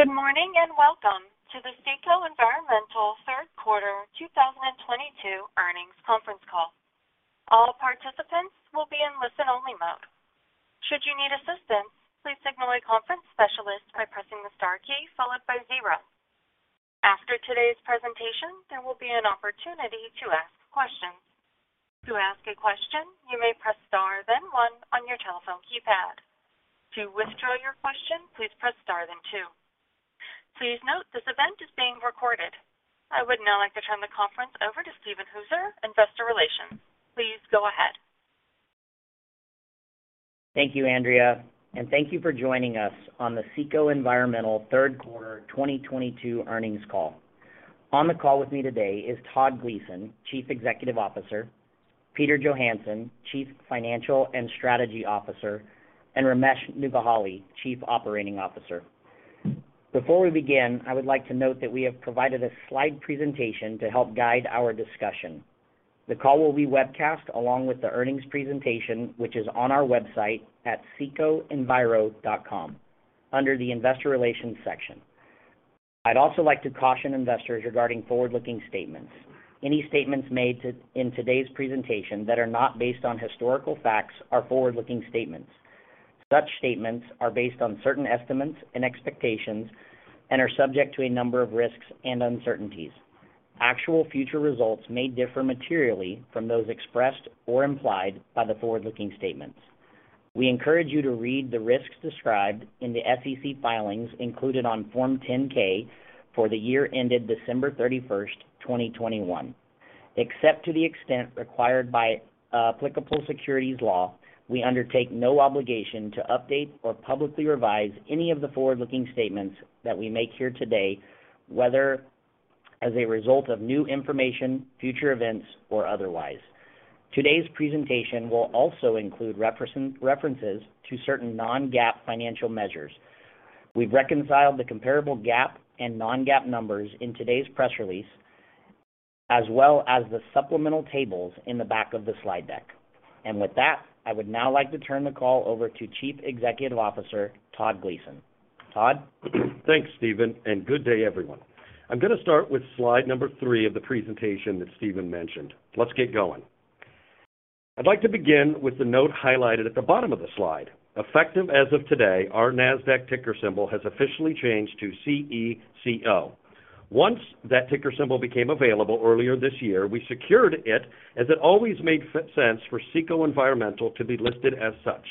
Good morning, and welcome to the CECO Environmental Q3 2022 earnings conference call. All participants will be in listen-only mode. Should you need assistance, please signal a conference specialist by pressing the star key followed by zero. After today's presentation, there will be an opportunity to ask questions. To ask a question, you may press star then one on your telephone keypad. To withdraw your question, please press star then two. Please note this event is being recorded. I would now like to turn the conference over to Steven Hooser, Investor Relations. Please go ahead. Thank you, Andrea, and thank you for joining us on the CECO Environmental Q3 2022 earnings call. On the call with me today is Todd Gleason, Chief Executive Officer, Peter Johansson, Chief Financial and Strategy Officer, and Ramesh Nuggihalli, Chief Operating Officer. Before we begin, I would like to note that we have provided a slide presentation to help guide our discussion. The call will be webcast along with the earnings presentation, which is on our website at cecoenviro.com under the Investor Relations section. I'd also like to caution investors regarding forward-looking statements. Any statements made in today's presentation that are not based on historical facts are forward-looking statements. Such statements are based on certain estimates and expectations and are subject to a number of risks and uncertainties. Actual future results may differ materially from those expressed or implied by the forward-looking statements. We encourage you to read the risks described in the SEC filings included on Form 10-K for the year ended December 31st, 2021. Except to the extent required by applicable securities law, we undertake no obligation to update or publicly revise any of the forward-looking statements that we make here today, whether as a result of new information, future events, or otherwise. Today's presentation will also include references to certain non-GAAP financial measures. We've reconciled the comparable GAAP and non-GAAP numbers in today's press release, as well as the supplemental tables in the back of the slide deck. With that, I would now like to turn the call over to Chief Executive Officer, Todd Gleason. Todd? Thanks, Steven, and good day, everyone. I'm going to start with Slide 3 of the presentation that Steven mentioned. Let's get going. I'd like to begin with the note highlighted at the bottom of the slide. Effective as of today, our Nasdaq ticker symbol has officially changed to CECO. Once that ticker symbol became available earlier this year, we secured it as it always made sense for CECO Environmental to be listed as such.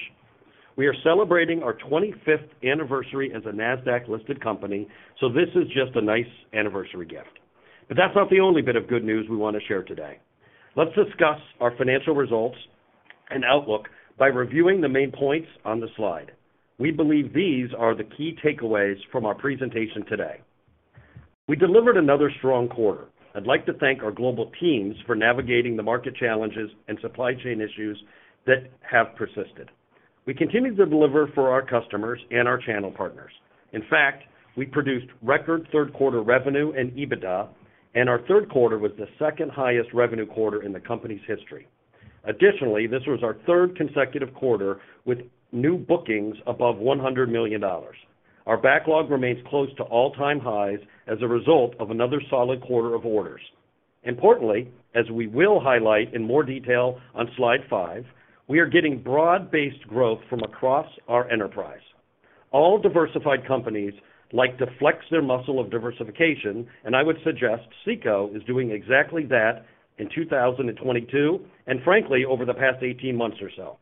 We are celebrating our 25th anniversary as a Nasdaq-listed company, so this is just a nice anniversary gift. That's not the only bit of good news we want to share today. Let's discuss our financial results and outlook by reviewing the main points on the slide. We believe these are the key takeaways from our presentation today. We delivered another strong quarter. I'd like to thank our global teams for navigating the market challenges and supply chain issues that have persisted. We continue to deliver for our customers and our channel partners. In fact, we produced record Q3 revenue and EBITDA, and our Q3 was the second highest revenue quarter in the company's history. Additionally, this was our third consecutive quarter with new bookings above $100 million. Our backlog remains close to all-time highs as a result of another solid quarter of orders. Importantly, as we will highlight in more detail on Slide 5, we are getting broad-based growth from across our enterprise. All diversified companies like to flex their muscle of diversification, and I would suggest CECO is doing exactly that in 2022, and frankly, over the past 18 months or so.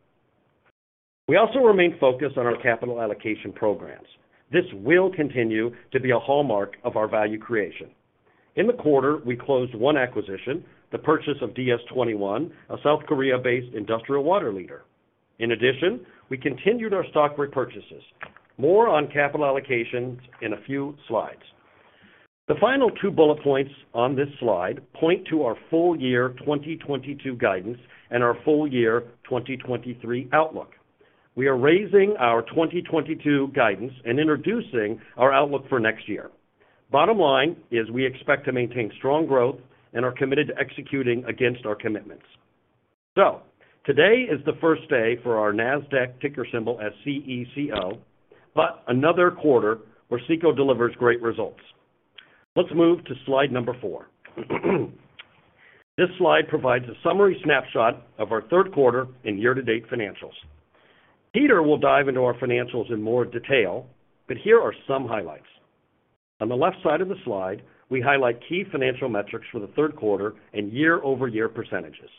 We also remain focused on our capital allocation programs. This will continue to be a hallmark of our value creation. In the quarter, we closed one acquisition, the purchase of DS21, a South Korea-based industrial water leader. In addition, we continued our stock repurchases. More on capital allocations in a few slides. The final two bullet points on this slide point to our full year 2022 guidance and our full year 2023 outlook. We are raising our 2022 guidance and introducing our outlook for next year. Bottom line is we expect to maintain strong growth and are committed to executing against our commitments. Today is the first day for our Nasdaq ticker symbol as CECO, but another quarter where CECO delivers great results. Let's move to Slide 4. This slide provides a summary snapshot of our Q3 and year-to-date financials. Peter will dive into our financials in more detail, but here are some highlights. On the left side of the slide, we highlight key financial metrics for Q3 and year-over-year percentages.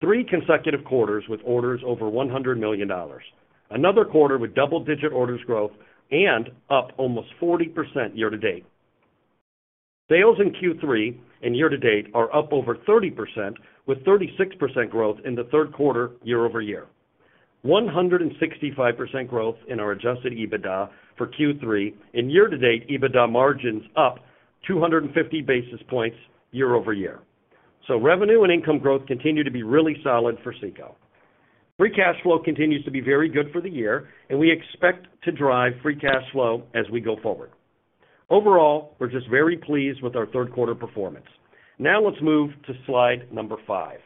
Three consecutive quarters with orders over $100 million. Another quarter with double-digit orders growth and up almost 40% year to date. Sales in Q3 and year to date are up over 30% with 36% growth in Q3 year-over-year. 165% growth in our adjusted EBITDA for Q3 and year to date EBITDA margins up 250 basis points year-over-year. Revenue and income growth continue to be really solid for CECO. Free cash flow continues to be very good for the year, and we expect to drive free cash flow as we go forward. Overall, we're just very pleased with our Q3 performance. Now let's move to Slide 5.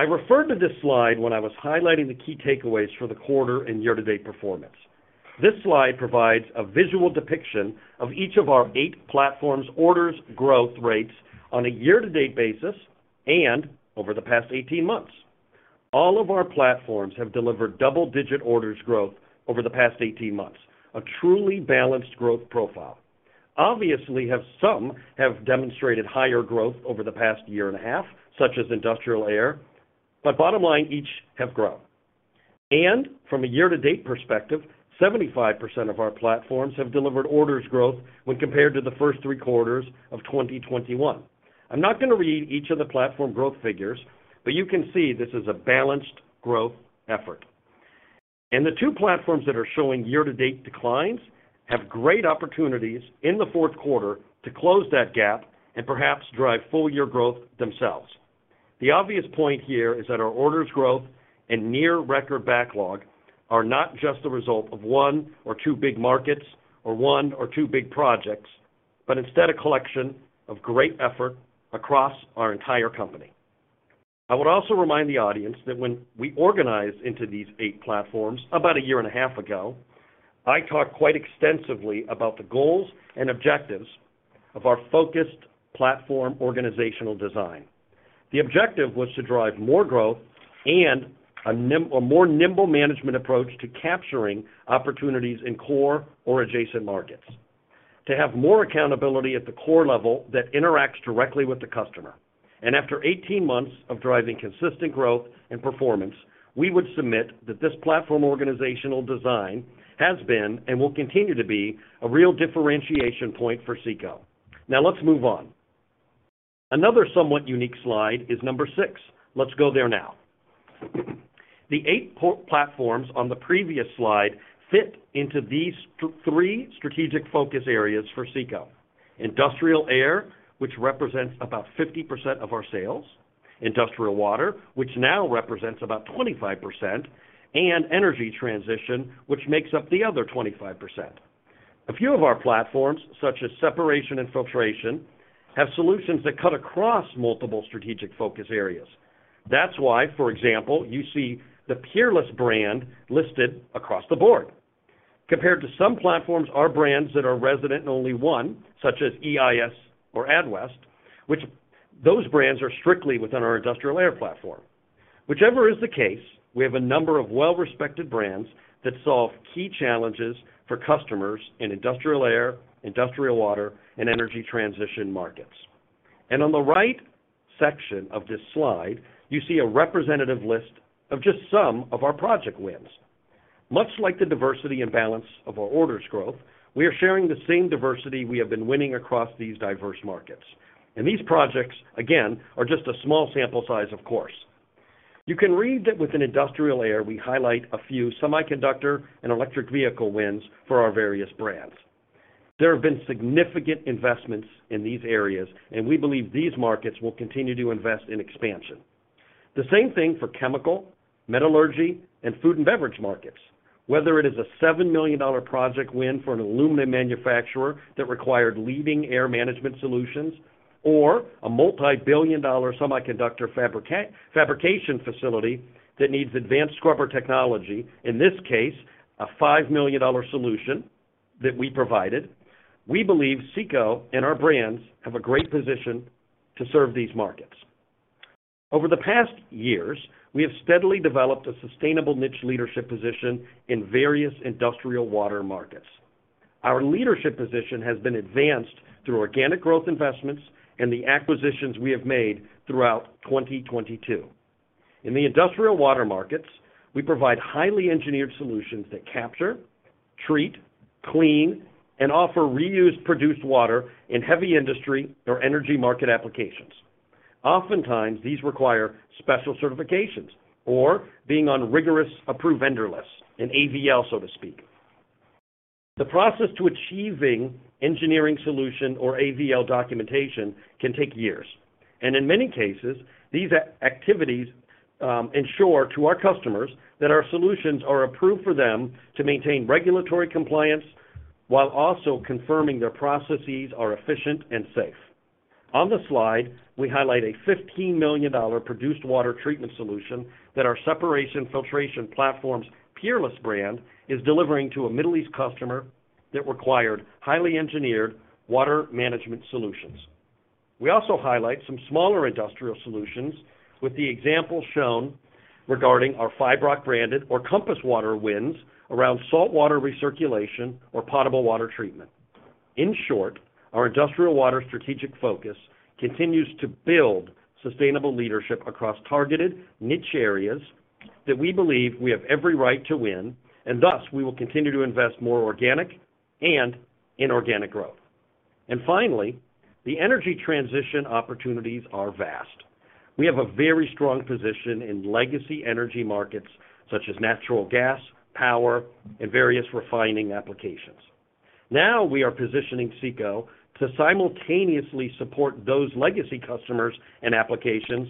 I referred to this slide when I was highlighting the key takeaways for the quarter and year-to-date performance. This slide provides a visual depiction of each of our eight platforms' orders growth rates on a year-to-date basis and over the past 18 months. All of our platforms have delivered double-digit orders growth over the past 18 months, a truly balanced growth profile. Obviously, some have demonstrated higher growth over the past year and a half, such as industrial air. Bottom line, each have grown. From a year-to-date perspective, 75% of our platforms have delivered orders growth when compared to the first three quarters of 2021. I'm not going to read each of the platform growth figures, but you can see this is a balanced growth effort. The two platforms that are showing year-to-date declines have great opportunities in Q4 to close that gap and perhaps drive full-year growth themselves. The obvious point here is that our orders growth and near record backlog are not just the result of one or two big markets or one or two big projects, but instead a collection of great effort across our entire company. I would also remind the audience that when we organized into these eight platforms about a year and a half ago, I talked quite extensively about the goals and objectives of our focused platform organizational design. The objective was to drive more growth and a more nimble management approach to capturing opportunities in core or adjacent markets. To have more accountability at the core level that interacts directly with the customer. After 18 months of driving consistent growth and performance, we would submit that this platform organizational design has been and will continue to be a real differentiation point for CECO. Now let's move on. Another somewhat unique slide is number six. Let's go there now. The eight port platforms on the previous slide fit into these three strategic focus areas for CECO. Industrial air, which represents about 50% of our sales, industrial water, which now represents about 25%, and energy transition, which makes up the other 25%. A few of our platforms, such as separation and filtration, have solutions that cut across multiple strategic focus areas. That's why, for example, you see the Peerless brand listed across the board. Compared to some platforms or brands that are resident in only one, such as EIS or Adwest, which those brands are strictly within our industrial air platform. Whichever is the case, we have a number of well-respected brands that solve key challenges for customers in industrial air, industrial water, and energy transition markets. On the right section of this slide, you see a representative list of just some of our project wins. Much like the diversity and balance of our orders growth, we are sharing the same diversity we have been winning across these diverse markets. These projects, again, are just a small sample size, of course. You can read that within industrial air, we highlight a few semiconductor and electric vehicle wins for our various brands. There have been significant investments in these areas, and we believe these markets will continue to invest in expansion. The same thing for chemical, metallurgy, and food and beverage markets. Whether it is a $7 million project win for an aluminum manufacturer that required leading air management solutions or a multi-billion-dollar semiconductor fabrication facility that needs advanced scrubber technology, in this case, a $5 million solution that we provided. We believe CECO and our brands have a great position to serve these markets. Over the past years, we have steadily developed a sustainable niche leadership position in various industrial water markets. Our leadership position has been advanced through organic growth investments and the acquisitions we have made throughout 2022. In the industrial water markets, we provide highly engineered solutions that capture, treat, clean, and offer reused produced water in heavy industry or energy market applications. Oftentimes, these require special certifications or being on rigorous approved vendor lists, an AVL, so to speak. The process to achieving engineering solution or AVL documentation can take years, and in many cases, these activities ensure to our customers that our solutions are approved for them to maintain regulatory compliance while also confirming their processes are efficient and safe. On the slide, we highlight a $15 million produced water treatment solution that our separation filtration platform's Peerless brand is delivering to a Middle East customer that required highly engineered water management solutions. We also highlight some smaller industrial solutions with the example shown regarding our Fybroc branded or Compass Water wins around saltwater recirculation or potable water treatment. In short, our industrial water strategic focus continues to build sustainable leadership across targeted niche areas that we believe we have every right to win, and thus, we will continue to invest more organic and inorganic growth. Finally, the energy transition opportunities are vast. We have a very strong position in legacy energy markets such as natural gas, power, and various refining applications. Now we are positioning CECO to simultaneously support those legacy customers and applications,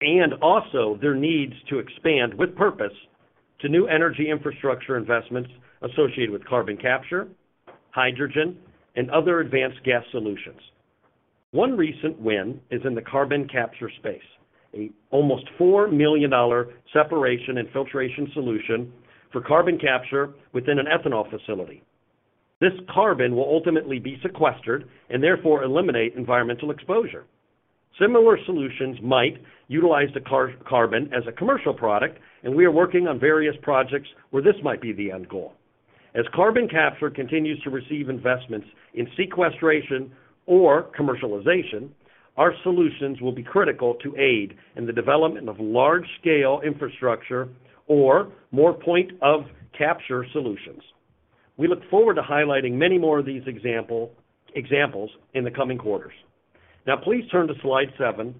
and also their needs to expand with purpose to new energy infrastructure investments associated with carbon capture, hydrogen, and other advanced gas solutions. One recent win is in the carbon capture space, an almost $4 million separation and filtration solution for carbon capture within an ethanol facility. This carbon will ultimately be sequestered and therefore eliminate environmental exposure. Similar solutions might utilize the captured carbon as a commercial product, and we are working on various projects where this might be the end goal. As carbon capture continues to receive investments in sequestration or commercialization, our solutions will be critical to aid in the development of large-scale infrastructure or more point of capture solutions. We look forward to highlighting many more of these examples in the coming quarters. Now please turn to Slide 7,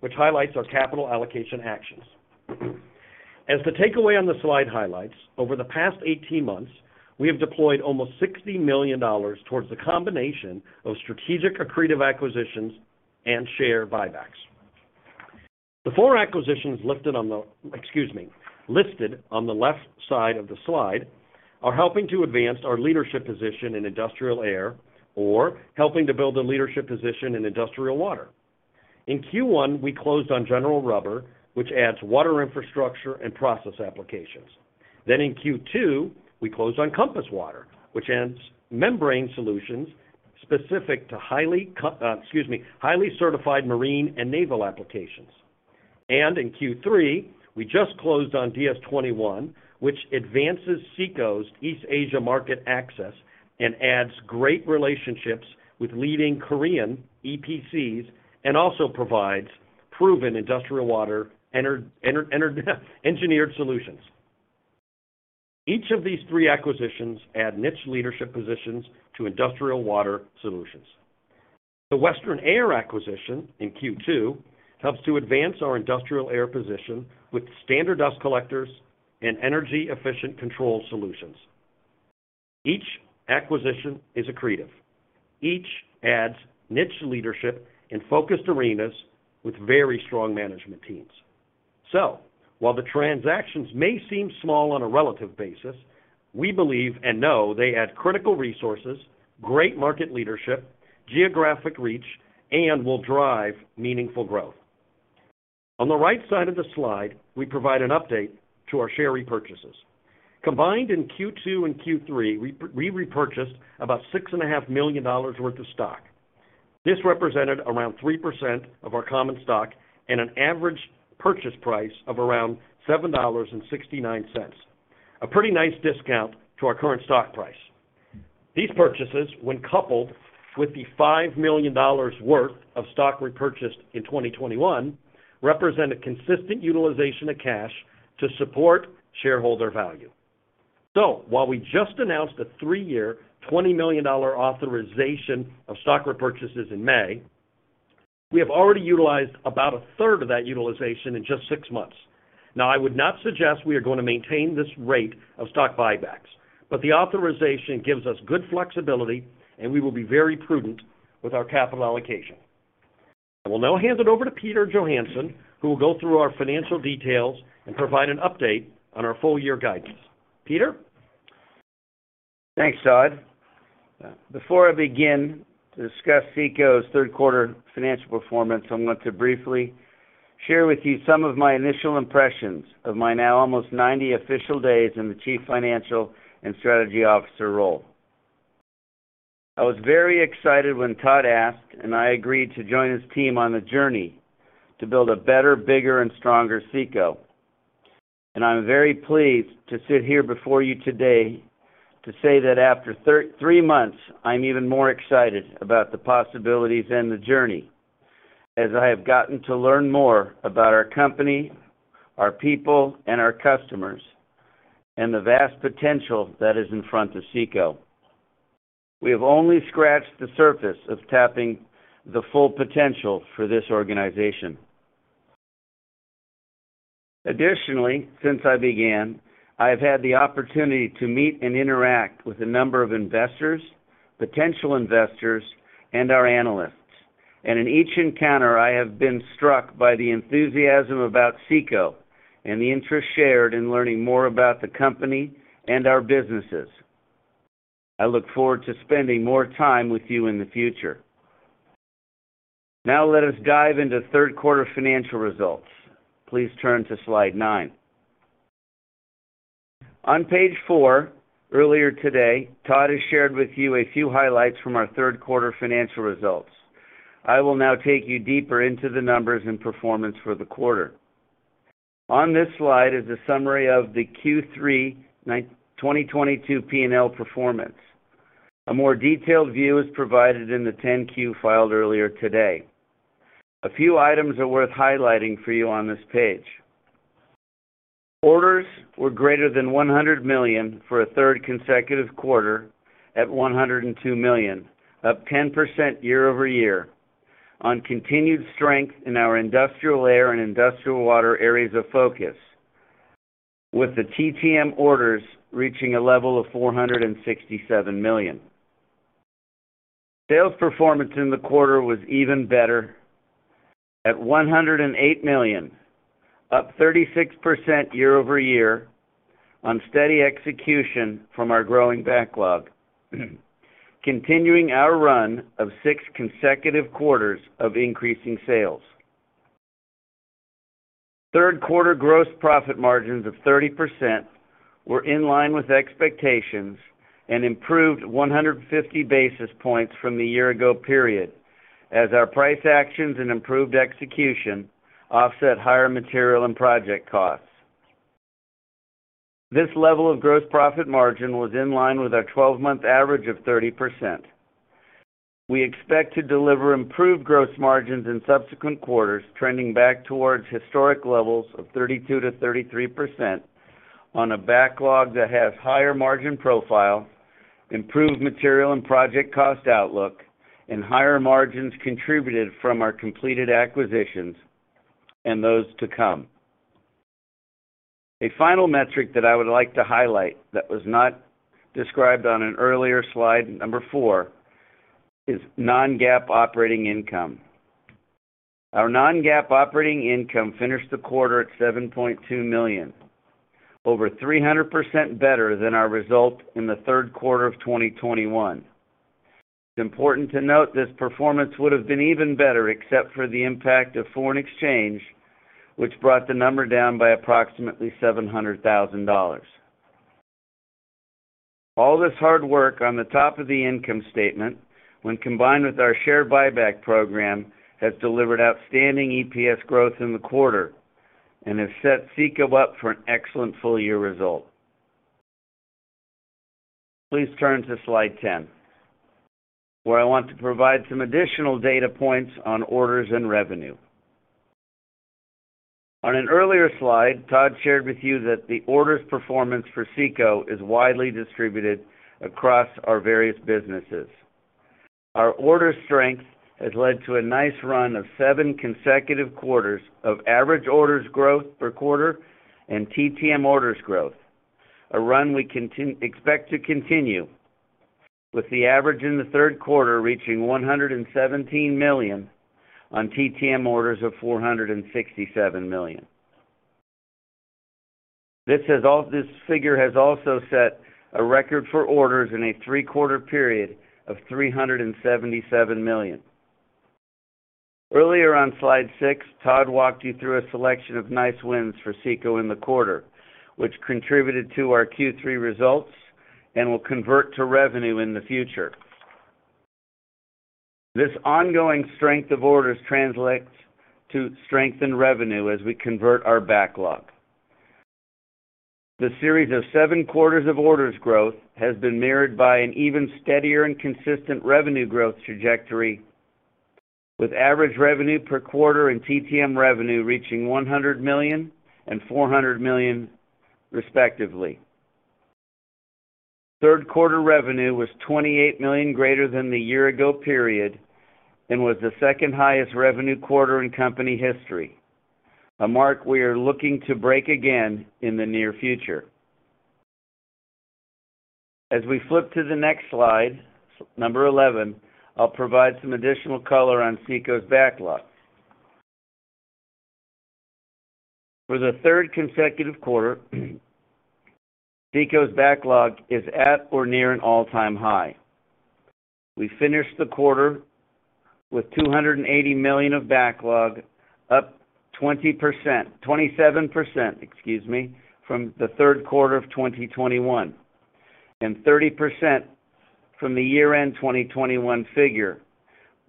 which highlights our capital allocation actions. As the takeaway on the slide highlights, over the past 18 months, we have deployed almost $60 million towards the combination of strategic accretive acquisitions and share buybacks. The four acquisitions listed on the left side of the slide are helping to advance our leadership position in industrial air or helping to build a leadership position in industrial water. In Q1, we closed on General Rubber, which adds water infrastructure and process applications. In Q2, we closed on Compass Water, which adds membrane solutions specific to highly certified marine and naval applications. In Q3, we just closed on DS21, which advances CECO's East Asia market access and adds great relationships with leading Korean EPCs and also provides proven industrial water entry engineered solutions. Each of these three acquisitions add niche leadership positions to industrial water solutions. The Western Air Ducts acquisition in Q2 helps to advance our industrial air position with standard dust collectors and energy-efficient control solutions. Each acquisition is accretive. Each adds niche leadership in focused arenas with very strong management teams. While the transactions may seem small on a relative basis, we believe and know they add critical resources, great market leadership, geographic reach, and will drive meaningful growth. On the right side of the slide, we provide an update to our share repurchases. Combined in Q2 and Q3, we repurchased about $6.5 million worth of stock. This represented around 3% of our common stock and an average purchase price of around $7.69, a pretty nice discount to our current stock price. These purchases, when coupled with the $5 million worth of stock repurchased in 2021, represent a consistent utilization of cash to support shareholder value. While we just announced a 3-year, $20 million authorization of stock repurchases in May, we have already utilized about a third of that utilization in just six months. Now, I would not suggest we are going to maintain this rate of stock buybacks, but the authorization gives us good flexibility, and we will be very prudent with our capital allocation. I will now hand it over to Peter Johansson, who will go through our financial details and provide an update on our full year guidance. Peter? Thanks, Todd. Before I begin to discuss CECO's Q3 financial performance, I'm going to briefly share with you some of my initial impressions of my now almost 90 official days in the Chief Financial and Strategy Officer role. I was very excited when Todd asked, and I agreed to join his team on the journey to build a better, bigger and stronger CECO. I'm very pleased to sit here before you today to say that after three months, I'm even more excited about the possibilities and the journey as I have gotten to learn more about our company, our people, and our customers, and the vast potential that is in front of CECO. We have only scratched the surface of tapping the full potential for this organization. Additionally, since I began, I have had the opportunity to meet and interact with a number of investors, potential investors, and our analysts. In each encounter, I have been struck by the enthusiasm about CECO and the interest shared in learning more about the company and our businesses. I look forward to spending more time with you in the future. Now let us dive into Q3 financial results. Please turn to Slide 9. On page 4, earlier today, Todd has shared with you a few highlights from our Q3 financial results. I will now take you deeper into the numbers and performance for the quarter. On this slide is a summary of Q3 2022 P&L performance. A more detailed view is provided in the 10-Q filed earlier today. A few items are worth highlighting for you on this page. Orders were greater than $100 million for a third consecutive quarter at $102 million, up 10% year-over-year on continued strength in our industrial air and industrial water areas of focus, with the TTM orders reaching a level of $467 million. Sales performance in the quarter was even better at $108 million, up 36% year-over-year on steady execution from our growing backlog, continuing our run of six consecutive quarters of increasing sales. Q3 gross profit margins of 30% were in line with expectations and improved 150 basis points from the year ago period as our price actions and improved execution offset higher material and project costs. This level of gross profit margin was in line with our 12-month average of 30%. We expect to deliver improved gross margins in subsequent quarters, trending back towards historic levels of 32%-33% on a backlog that has higher margin profile, improved material and project cost outlook, and higher margins contributed from our completed acquisitions and those to come. A final metric that I would like to highlight that was not described on an earlier Slide 4, is non-GAAP operating income. Our non-GAAP operating income finished the quarter at $7.2 million, over 300% better than our result in Q3 of 2021. It's important to note this performance would have been even better except for the impact of foreign exchange, which brought the number down by approximately $700,000. All this hard work on the top of the income statement when combined with our share buyback program has delivered outstanding EPS growth in the quarter and has set CECO up for an excellent full year result. Please turn to Slide 10, where I want to provide some additional data points on orders and revenue. On an earlier slide, Todd shared with you that the orders performance for CECO is widely distributed across our various businesses. Our order strength has led to a nice run of seven consecutive quarters of average orders growth per quarter and TTM orders growth. A run we expect to continue with the average in Q3 reaching $117 million on TTM orders of $467 million. This figure has also set a record for orders in a three-quarter period of $377 million. Earlier on Slide 6, Todd walked you through a selection of nice wins for CECO in the quarter, which contributed to our Q3 results and will convert to revenue in the future. This ongoing strength of orders translates to strength in revenue as we convert our backlog. The series of seven quarters of orders growth has been mirrored by an even steadier and consistent revenue growth trajectory, with average revenue per quarter and TTM revenue reaching $100 million and $400 million respectively. Q3 revenue was $28 million greater than the year ago period and was the second highest revenue quarter in company history, a mark we are looking to break again in the near future. As we flip to the next Slide 11, I'll provide some additional color on CECO's backlog. For the third consecutive quarter, CECO's backlog is at or near an all-time high. We finished the quarter with $280 million of backlog, up 27% from Q3 of 2021, and 30% from the year-end 2021 figure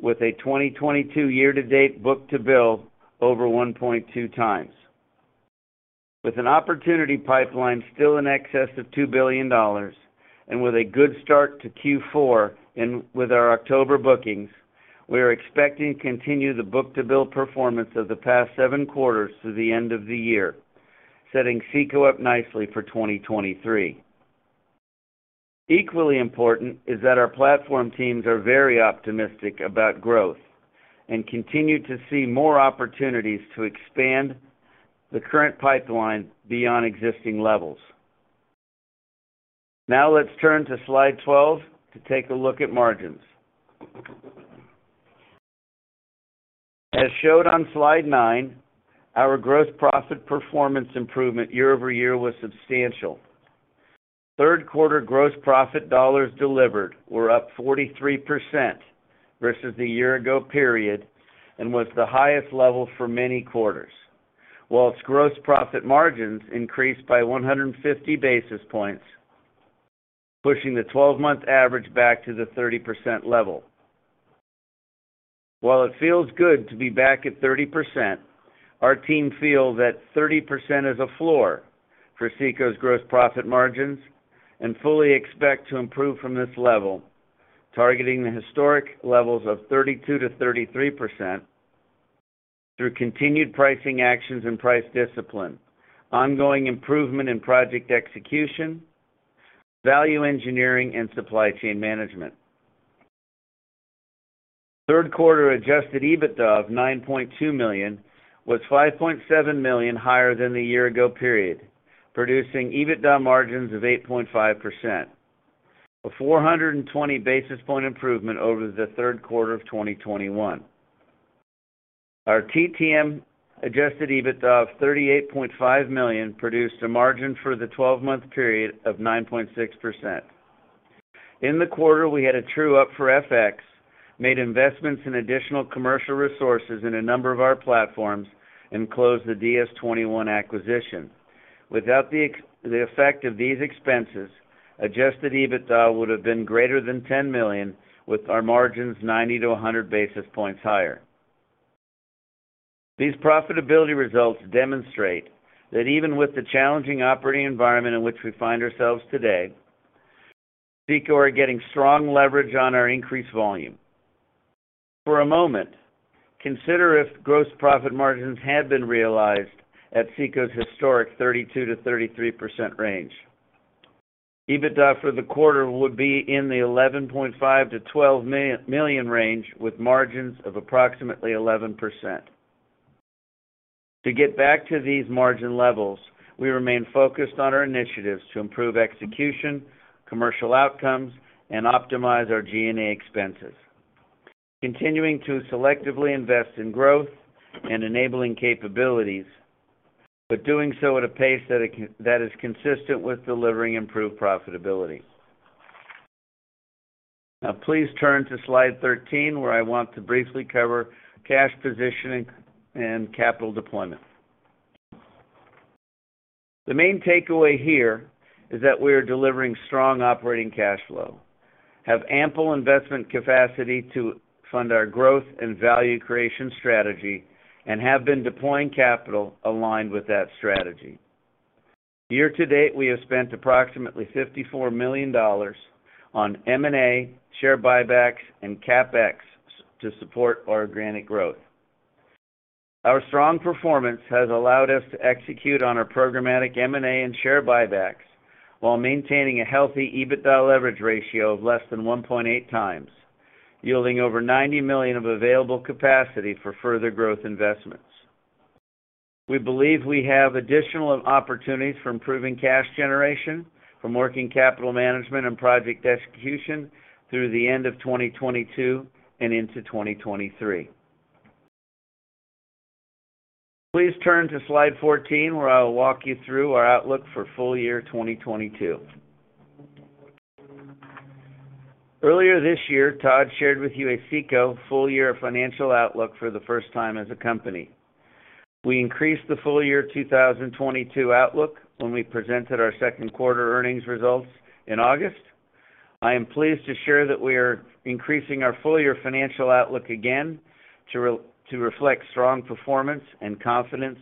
with a 2022 year-to-date book-to-bill over 1.2 times. With an opportunity pipeline still in excess of $2 billion and with a good start to Q4 and with our October bookings, we are expecting to continue the book-to-bill performance of the past seven quarters through the end of the year, setting CECO up nicely for 2023. Equally important is that our platform teams are very optimistic about growth and continue to see more opportunities to expand the current pipeline beyond existing levels. Now let's turn to Slide 12 to take a look at margins. As shown on Slide 9, our gross profit performance improvement year-over-year was substantial. Q3 gross profit dollars delivered were up 43% versus the year ago period and was the highest level for many quarters. While gross profit margins increased by 150 basis points, pushing the 12-month average back to the 30% level. While it feels good to be back at 30%, our team feel that 30% is a floor for CECO's gross profit margins and fully expect to improve from this level, targeting the historic levels of 32%-33% through continued pricing actions and price discipline, ongoing improvement in project execution, value engineering and supply chain management. Q3 adjusted EBITDA of $9.2 million was $5.7 million higher than the year-ago period, producing EBITDA margins of 8.5%, a 420 basis point improvement over Q3 of 2021. Our TTM adjusted EBITDA of $38.5 million produced a margin for the 12-month period of 9.6%. In the quarter, we had a true-up for FX, made investments in additional commercial resources in a number of our platforms, and closed the DS21 acquisition. Without the effect of these expenses, adjusted EBITDA would have been greater than $10 million, with our margins 90-100 basis points higher. These profitability results demonstrate that even with the challenging operating environment in which we find ourselves today, CECO are getting strong leverage on our increased volume. For a moment, consider if gross profit margins had been realized at CECO's historic 32%-33% range. EBITDA for the quarter would be in the $11.5-$12 million range, with margins of approximately 11%. To get back to these margin levels, we remain focused on our initiatives to improve execution, commercial outcomes, and optimize our G&A expenses. Continuing to selectively invest in growth and enabling capabilities, but doing so at a pace that is consistent with delivering improved profitability. Now please turn to Slide 13, where I want to briefly cover cash positioning and capital deployment. The main takeaway here is that we are delivering strong operating cash flow, have ample investment capacity to fund our growth and value creation strategy, and have been deploying capital aligned with that strategy. Year to date, we have spent approximately $54 million on M&A, share buybacks, and CapEx to support our organic growth. Our strong performance has allowed us to execute on our programmatic M&A and share buybacks while maintaining a healthy EBITDA leverage ratio of less than 1.8 times, yielding over $90 million of available capacity for further growth investments. We believe we have additional opportunities for improving cash generation from working capital management and project execution through the end of 2022 and into 2023. Please turn to Slide 14, where I will walk you through our outlook for full year 2022. Earlier this year, Todd shared with you a CECO full year financial outlook for the first time as a company. We increased the full year 2022 outlook when we presented our Q2 earnings results in August. I am pleased to share that we are increasing our full-year financial outlook again to reflect strong performance and confidence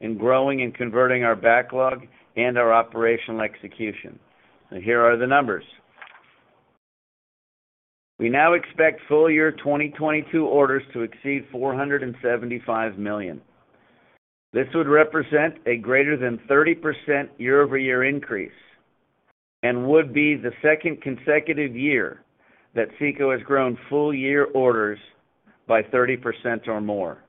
in growing and converting our backlog and our operational execution. Here are the numbers. We now expect full year 2022 orders to exceed $475 million. This would represent a greater than 30% year-over-year increase and would be the second consecutive year that CECO has grown full year orders by 30% or more.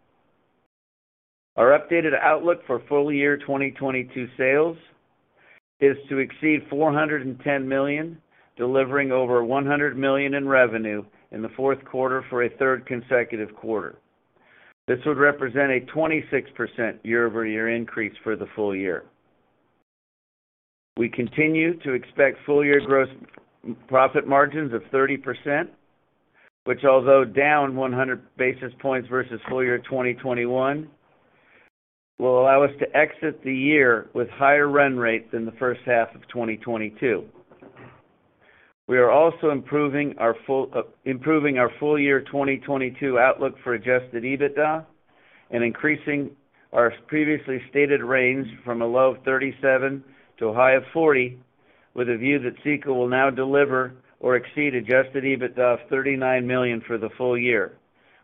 Our updated outlook for full year 2022 sales is to exceed $410 million, delivering over $100 million in revenue in Q4 for a third consecutive quarter. This would represent a 26% year-over-year increase for the full year. We continue to expect full year gross profit margins of 30%, which although down 100 basis points versus full year 2021, will allow us to exit the year with higher run rate than the first half of 2022. We are also improving our full year 2022 outlook for adjusted EBITDA and increasing our previously stated range from a low of $37 million to a high of $40 million, with a view that CECO will now deliver or exceed adjusted EBITDA of $39 million for the full year,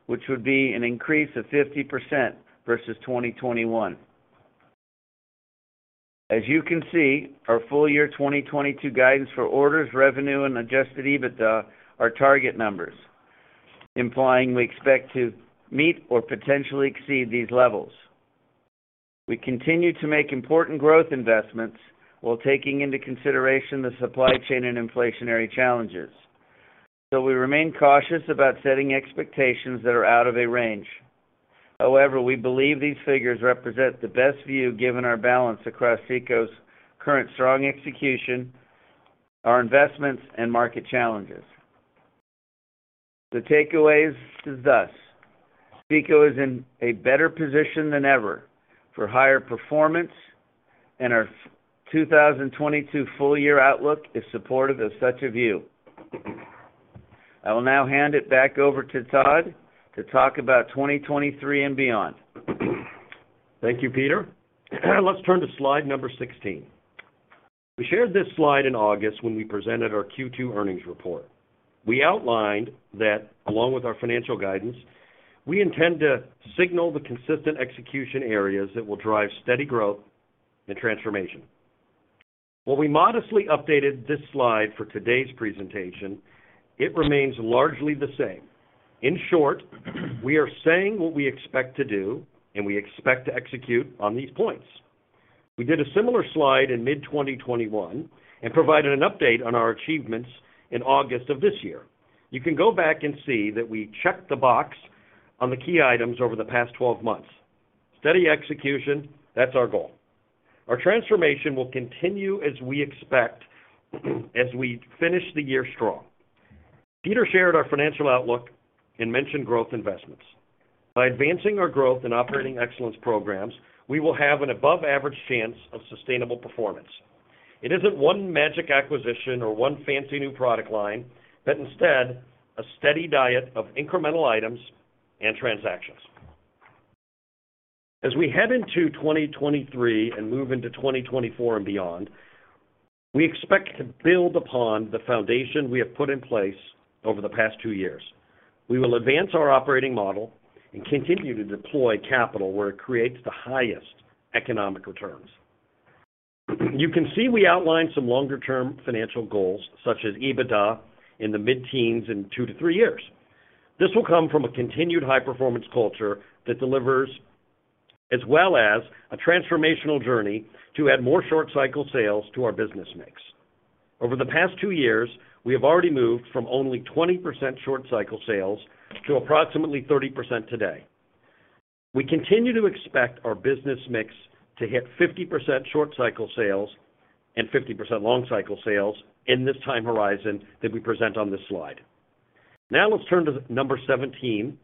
which would be an increase of 50% versus 2021. As you can see, our full year 2022 guidance for orders, revenue, and adjusted EBITDA are target numbers, implying we expect to meet or potentially exceed these levels. We continue to make important growth investments while taking into consideration the supply chain and inflationary challenges. We remain cautious about setting expectations that are out of a range. However, we believe these figures represent the best view given our balance across CECO's current strong execution, our investments, and market challenges. The takeaways is thus, CECO is in a better position than ever for higher performance, and our 2022 full year outlook is supportive of such a view. I will now hand it back over to Todd to talk about 2023 and beyond. Thank you, Peter. Let's turn to Slide 16. We shared this slide in August when we presented our Q2 earnings report. We outlined that, along with our financial guidance, we intend to signal the consistent execution areas that will drive steady growth and transformation. Well, we modestly updated this slide for today's presentation. It remains largely the same. In short, we are saying what we expect to do, and we expect to execute on these points. We did a similar slide in mid-2021 and provided an update on our achievements in August of this year. You can go back and see that we checked the box on the key items over the past 12 months. Steady execution, that's our goal. Our transformation will continue as we expect as we finish the year strong. Peter shared our financial outlook and mentioned growth investments. By advancing our growth and operating excellence programs, we will have an above-average chance of sustainable performance. It isn't one magic acquisition or one fancy new product line, but instead a steady diet of incremental items and transactions. As we head into 2023 and move into 2024 and beyond, we expect to build upon the foundation we have put in place over the past two years. We will advance our operating model and continue to deploy capital where it creates the highest economic returns. You can see we outlined some longer-term financial goals, such as EBITDA in the mid-teens in two to three years. This will come from a continued high-performance culture that delivers as well as a transformational journey to add more short cycle sales to our business mix. Over the past two years, we have already moved from only 20% short cycle sales to approximately 30% today. We continue to expect our business mix to hit 50% short cycle sales and 50% long cycle sales in this time horizon that we present on this slide. Now let's turn to number 17,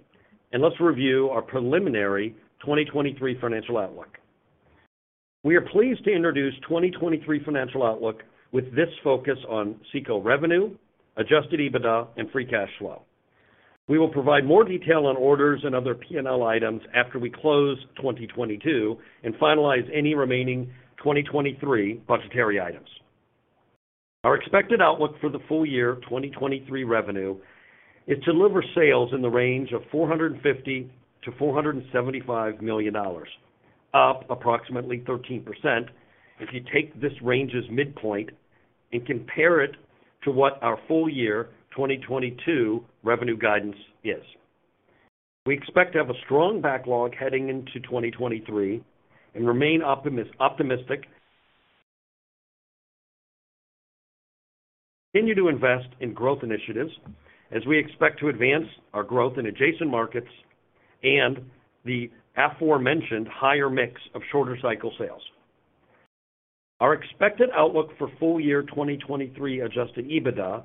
and let's review our preliminary 2023 financial outlook. We are pleased to introduce 2023 financial outlook with this focus on CECO revenue, adjusted EBITDA, and free cash flow. We will provide more detail on orders and other P&L items after we close 2022 and finalize any remaining 2023 budgetary items. Our expected outlook for the full year 2023 revenue is to deliver sales in the range of $450 million-$475 million, up approximately 13% if you take this range as midpoint and compare it to what our full year 2022 revenue guidance is. We expect to have a strong backlog heading into 2023 and remain optimistic. Continue to invest in growth initiatives as we expect to advance our growth in adjacent markets and the aforementioned higher mix of shorter cycle sales. Our expected outlook for full year 2023 adjusted EBITDA.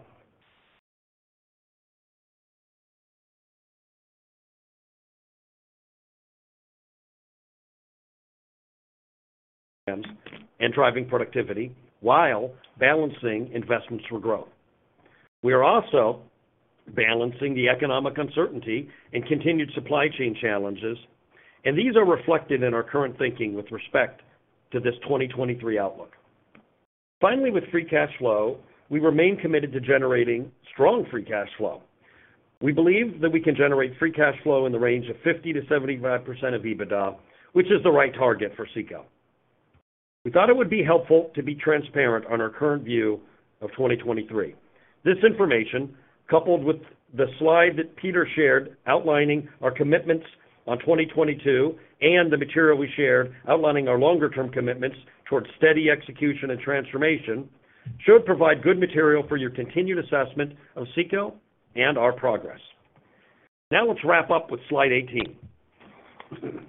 Driving productivity while balancing investments for growth. We are also balancing the economic uncertainty and continued supply chain challenges, and these are reflected in our current thinking with respect to this 2023 outlook. Finally, with free cash flow, we remain committed to generating strong free cash flow. We believe that we can generate free cash flow in the range of 50%-75% of EBITDA, which is the right target for CECO. We thought it would be helpful to be transparent on our current view of 2023. This information, coupled with the slide that Peter shared outlining our commitments on 2022 and the material we shared outlining our longer-term commitments towards steady execution and transformation, should provide good material for your continued assessment of CECO and our progress. Now let's wrap up with Slide 18.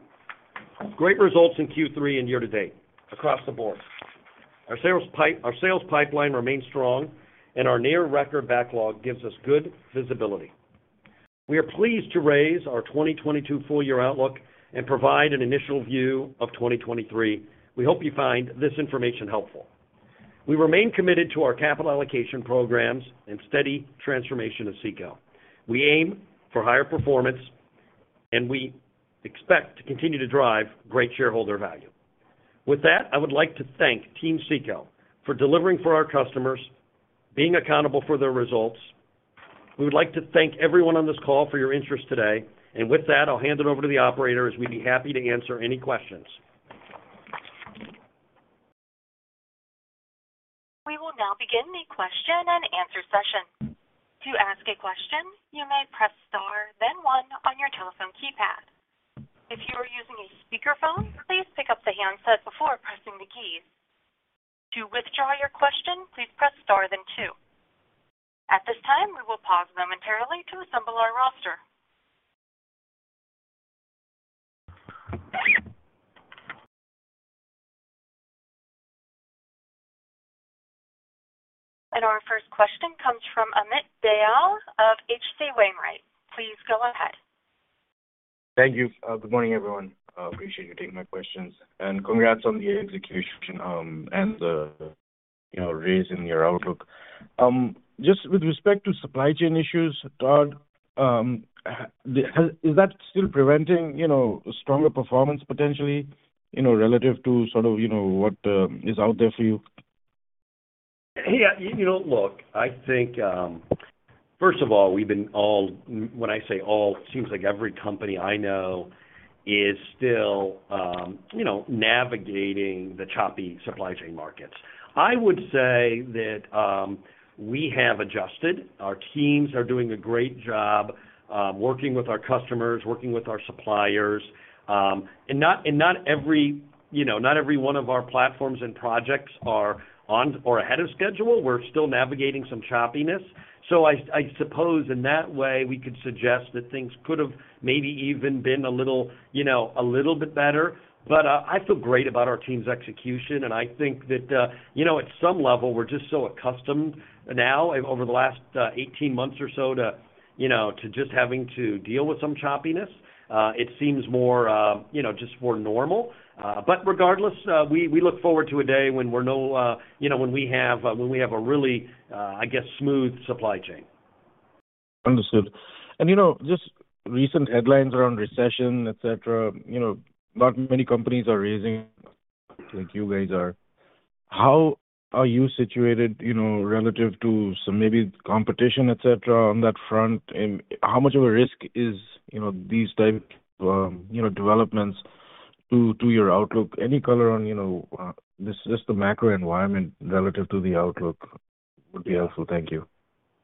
Great results in Q3 and year-to-date across the board. Our sales pipeline remains strong, and our near-record backlog gives us good visibility. We are pleased to raise our 2022 full-year outlook and provide an initial view of 2023. We hope you find this information helpful. We remain committed to our capital allocation programs and steady transformation of CECO. We aim for higher performance, and we expect to continue to drive great shareholder value. With that, I would like to thank Team CECO for delivering for our customers, being accountable for their results. We would like to thank everyone on this call for your interest today. With that, I'll hand it over to the operator as we'd be happy to answer any questions. We will now begin the question and answer session. To ask a question, you may press star then one on your telephone keypad. If you are using a speakerphone, please pick up the handset before pressing the keys. To withdraw your question, please press star then two. At this time, we will pause momentarily to assemble our roster. Our first question comes from Amit Dayal of H.C. Wainwright. Please go ahead. Thank you. Good morning, everyone. Appreciate you taking my questions. Congrats on the execution, and the, raising your outlook. Just with respect to supply chain issues, Todd, is that still preventing, stronger performance potentially, relative to what is out there for you? Look, first of all, we've been all... When I say all, it seems like every company I know is still, navigating the choppy supply chain markets. I would say that we have adjusted. Our teams are doing a great job, working with our customers, working with our suppliers. Not every one of our platforms and projects are on or ahead of schedule. We're still navigating some choppiness. I suppose in that way, we could suggest that things could have maybe even been a little, a little bit better. I feel great about our team's execution, and I think that, at some level, we're just so accustomed now over the last 18 months or so to just having to deal with some choppiness. It seems just more normal. Regardless, we look forward to a day when we have a really smooth supply chain. Understood. Just recent headlines around recession, etc., not many companies are raising like you guys are. How are you situated relative to some maybe competition, etc., on that front? How much of a risk is these type developments to your outlook? Any color on just the macro environment relative to the outlook would be helpful. Thank you.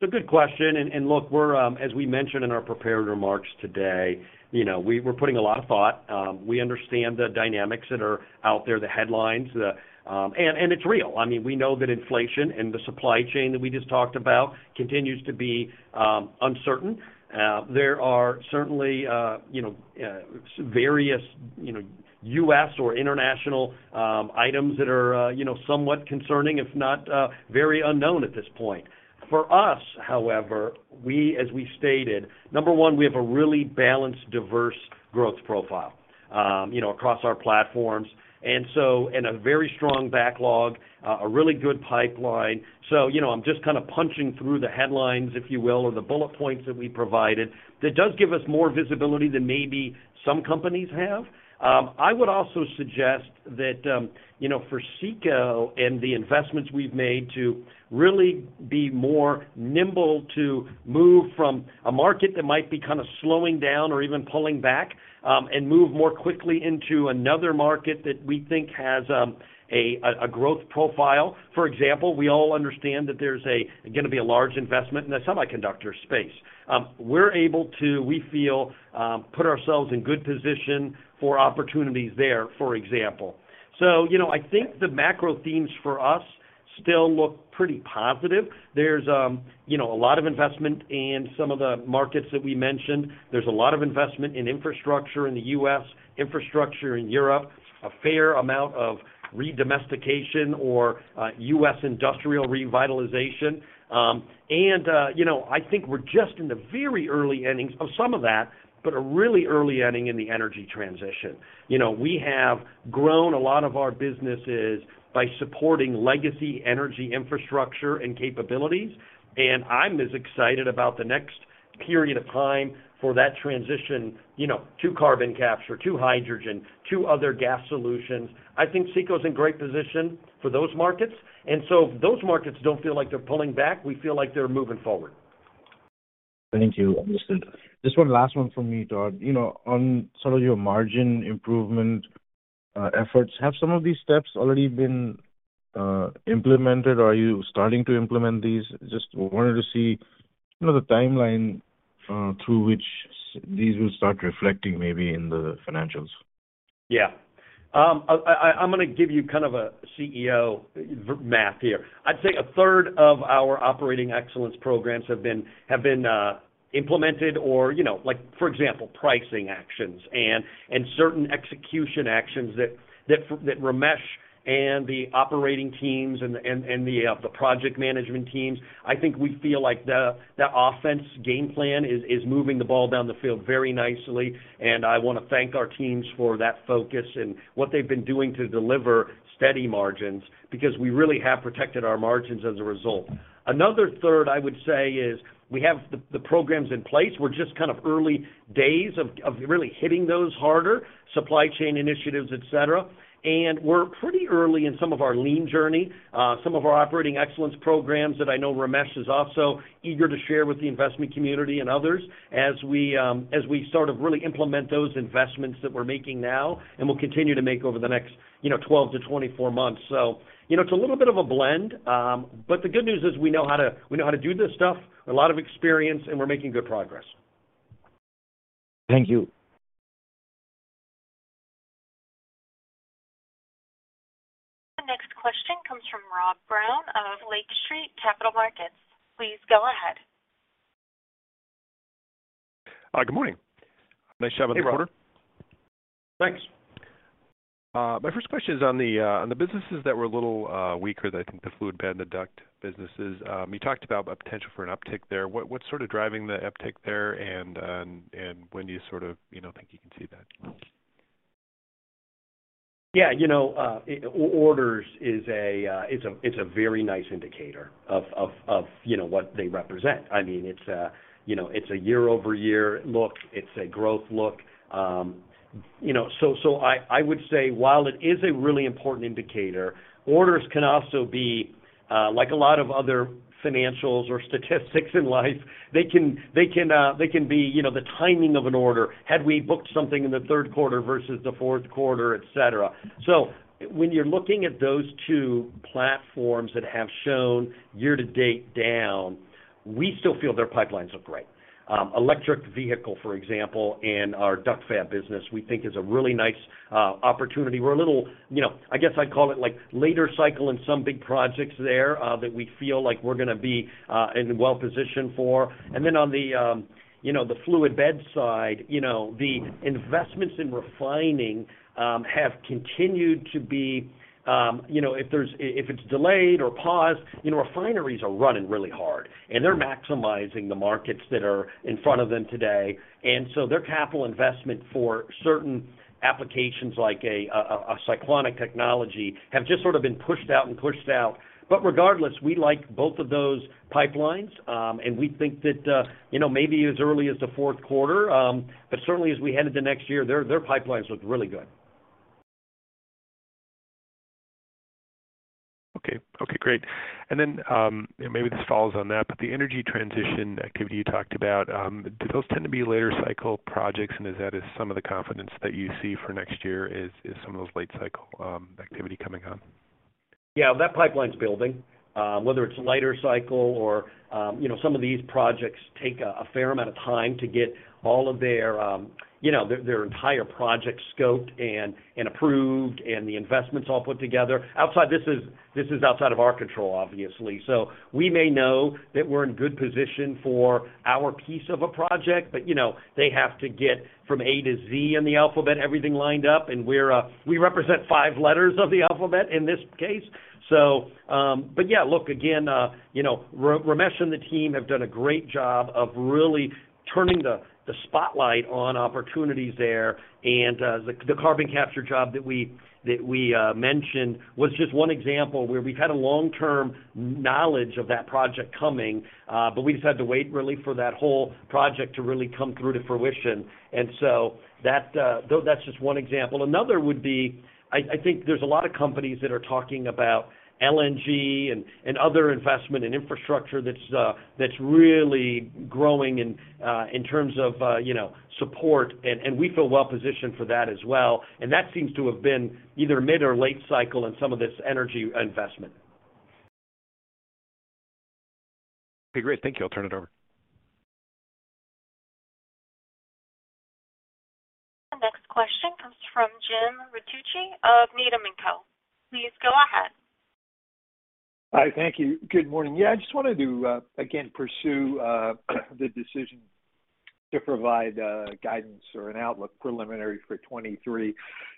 It's a good question. Look, as we mentioned in our prepared remarks today, we're putting a lot of thought. We understand the dynamics that are out there, the headlines. It's real. We know that inflation and the supply chain that we just talked about continues to be uncertain. There are certainly, various, U.S. or international items that are, somewhat concerning, if not very unknown at this point. For us, however, we, as we stated, number one, we have a really balanced, diverse growth profile, across our platforms. In a very strong backlog, a really good pipeline. I'm just kinda punching through the headlines, if you will, or the bullet points that we provided. That does give us more visibility than maybe some companies have. I would also suggest that, for CECO and the investments we've made to really be more nimble to move from a market that might be slowing down or even pulling back, and move more quickly into another market that we think has a growth profile. For example, we all understand that there's going to be a large investment in the semiconductor space. We're able to, we feel, put ourselves in good position for opportunities there, for example. I think the macro themes for us still look pretty positive. There's a lot of investment in some of the markets that we mentioned. There's a lot of investment in infrastructure in the U.S., infrastructure in Europe, a fair amount of re-domestication or U.S. industrial revitalization. I think we're just in the very early innings of some of that, but a really early inning in the energy transition. We have grown a lot of our businesses by supporting legacy energy infrastructure and capabilities, and I'm as excited about the next period of time for that transition, to carbon capture, to hydrogen, to other gas solutions. I think CECO is in great position for those markets. Those markets don't feel like they're pulling back. We feel like they're moving forward. Thank you. Understood. Just one last one from me, Todd. on some of your margin improvement efforts, have some of these steps already been implemented? Are you starting to implement these? Just wanted to see, the timeline through which these will start reflecting maybe in the financials. Yes. I'm going to give you a CEO math here. I'd say a third of our operating excellence programs have been implemented or for example, pricing actions and certain execution actions that Ramesh and the operating teams and the project management teams. I think we feel like the offense game plan is moving the ball down the field very nicely, and I want to thank our teams for that focus and what they've been doing to deliver steady margins, because we really have protected our margins as a result. Another third I would say is we have the programs in place. We're just early days of really hitting those harder, supply chain initiatives, etc. We're pretty early in some of our lean journey, some of our operating excellence programs that I know Ramesh is also eager to share with the investment community and others as we really implement those investments that we're making now and will continue to make over the next 12-24 months. it's a little bit of a blend, but the good news is we know how to do this stuff, a lot of experience, and we're making good progress. Thank you. The next question comes from Rob Brown of Lake Street Capital Markets. Please go ahead. Good morning. Nice to have on the quarter. Hey, Rob. Thanks. My first question is on the businesses that were a little weaker than, I think, the fluid bed and the duct businesses. You talked about a potential for an uptick there. What's driving the uptick there and when do you think you can see that? Yes. orders is a very nice indicator of what they represent. it's a year-over-year look. It's a growth look. I would say, while it is a really important indicator, orders can also be like a lot of other financials or statistics in life, they can be the timing of an order. Had we booked something in Q3 versus Q4, etc. So when you're looking at those two platforms that have shown year-to-date down, we still feel their pipelines look great. Electric vehicle, for example, and our ductfab business, we think is a really nice opportunity. We're a little... I guess I'd call it like later cycle in some big projects there, that we feel like we're going to be and well-positioned for. Then on the fluid bed side, the investments in refining have continued to be, if it's delayed or paused, refineries are running really hard, and they're maximizing the markets that are in front of them today. Their capital investment for certain applications like a cyclonic technology have just been pushed out and pushed out. Regardless, we like both of those pipelines. We think that, maybe as early as Q4, but certainly as we head into next year, their pipelines look really good. Okay. Okay, great. Maybe this follows on that, but the energy transition activity you talked about, do those tend to be later cycle projects, and is that some of the confidence that you see for next year is some of those late cycle activity coming on? Yes. That pipeline's building. Whether it's lighter cycle or some of these projects take a fair amount of time to get all of their entire project scoped and approved and the investments all put together. This is outside of our control, obviously. We may know that we're in good position for our piece of a project, but they have to get from A to Z in the alphabet, everything lined up. We represent five letters of the alphabet in this case. Look, again, Ramesh and the team have done a great job of really turning the spotlight on opportunities there. The carbon capture job that we mentioned was just one example where we've had a long-term knowledge of that project coming, but we just had to wait really for that whole project to really come through to fruition. Though that's just one example. Another would be, I think there's a lot of companies that are talking about LNG and other investment and infrastructure that's really growing in terms of support. We feel well-positioned for that as well. That seems to have been either mid or late cycle in some of this energy investment. Okay, great. Thank you. I'll turn it over. The next question comes from Jim Ricchiuti of Needham & Company. Please go ahead. Hi. Thank you. Good morning. I just wanted to again pursue the decision to provide guidance or an outlook preliminary for 2023.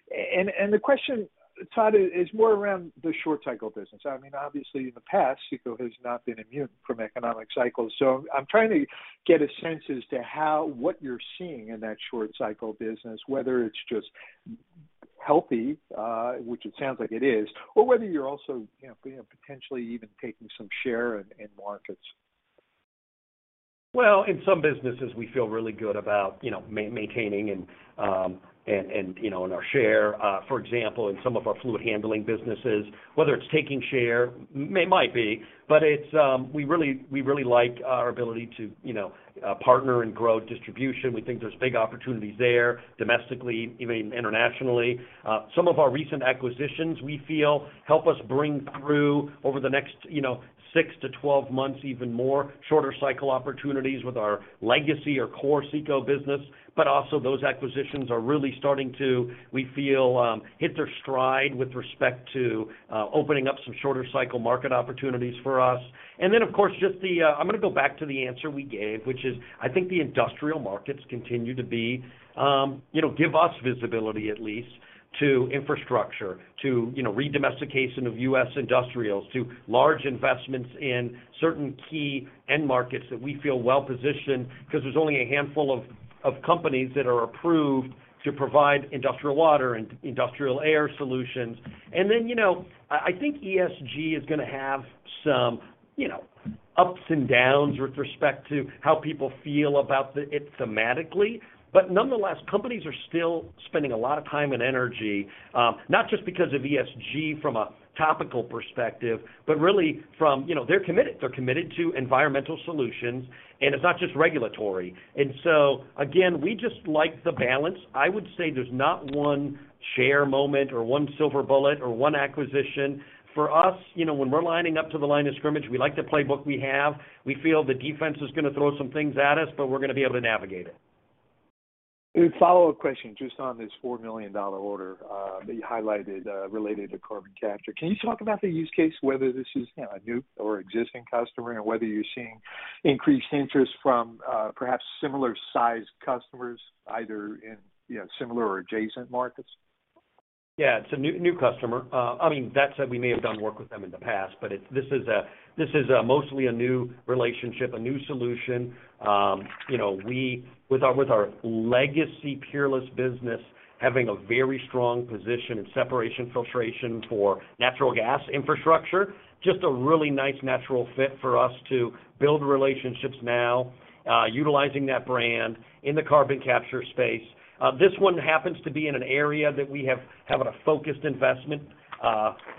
The question, Todd, is more around the short cycle business. obviously, in the past, CECO has not been immune from economic cycles. I'm trying to get a sense as to how what you're seeing in that short cycle business, whether it's just healthy, which it sounds like it is, or whether you're also potentially even taking some share in markets. Well, in some businesses, we feel really good about maintaining our share, for example, in some of our fluid handling businesses, whether it's taking share, might be. We really like our ability to partner and grow distribution. We think there's big opportunities there domestically, even internationally. Some of our recent acquisitions, we feel help us bring through over the next 6-12 months, even more shorter cycle opportunities with our legacy or core CECO business. But also those acquisitions are really starting to, we feel, hit their stride with respect to opening up some shorter cycle market opportunities for us. I'm going to go back to the answer we gave, which is, I think, the industrial markets continue to be, give us visibility at least to infrastructure, to re-domestication of US industrials, to large investments in certain key end markets that we feel well-positioned because there's only a handful of companies that are approved to provide industrial water and industrial air solutions. Then, I think ESG is going to have some ups and downs with respect to how people feel about it thematically. Nonetheless, companies are still spending a lot of time and energy, not just because of ESG from a topical perspective, but really from, they're committed to environmental solutions, and it's not just regulatory. Again, we just like the balance. I would say there's not one share moment or one silver bullet or one acquisition. For us, when we're lining up to the line of scrimmage, we like the playbook we have. We feel the defense is going to throw some things at us, but we're going to be able to navigate it. A follow-up question just on this $4 million order, that you highlighted, related to carbon capture. Can you talk about the use case, whether this is a new or existing customer and whether you're seeing increased interest from perhaps similar-sized customers either in similar or adjacent markets? Yes, it's a new customer. That said, we may have done work with them in the past, but this is mostly a new relationship, a new solution. With our legacy Peerless business, having a very strong position in separation filtration for natural gas infrastructure, just a really nice natural fit for us to build relationships now, utilizing that brand in the carbon capture space. This one happens to be in an area that we have had a focused investment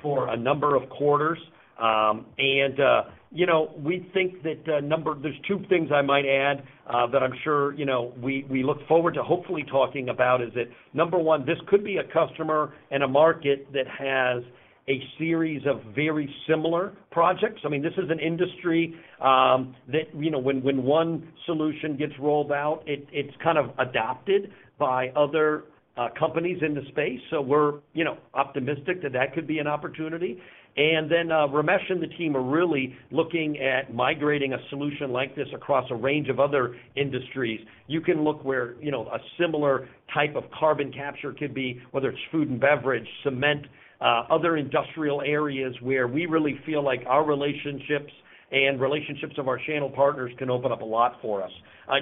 for a number of quarters. We think that a number... There's two things I might add that I'm sure we look forward to hopefully talking about is that, number one, this could be a customer and a market that has a series of very similar projects. This is an industry that, when one solution gets rolled out, it's adopted by other companies in the space. We're optimistic that that could be an opportunity. Ramesh and the team are really looking at migrating a solution like this across a range of other industries. You can look where a similar type of carbon capture could be, whether it's food and beverage, cement, or other industrial areas where we really feel like our relationships and relationships of our channel partners can open up a lot for us.